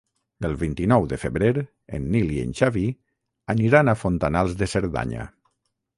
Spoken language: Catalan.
El vint-i-nou de febrer en Nil i en Xavi aniran a Fontanals de Cerdanya.